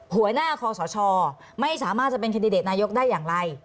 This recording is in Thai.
หัวหน้าคอสชไม่สามารถจะเป็นคันดิเดตนายกได้อย่างไร